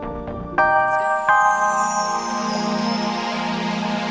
masih lama banget